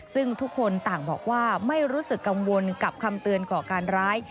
ซึ่งทุกคนต่างบอกว่าไม่รู้สึกกังวลกับคำเตือนก่อการร้าย